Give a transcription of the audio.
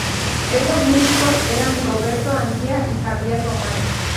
Esos músicos eran Roberto Andía y Javier Román.